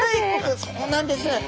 そうなんです。